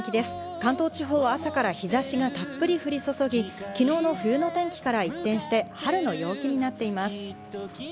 関東地方は朝から日差しがたっぷり降り注ぎ、昨日の冬の天気から一転して春の陽気になっています。